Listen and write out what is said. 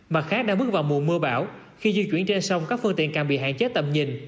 mặt khác đang bước vào mùa mưa bão khi di chuyển trên sông các phương tiện càng bị hạn chế tầm nhìn